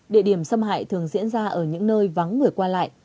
địa điểm xâm hại thường diễn ra ở những nơi vắng người qua lại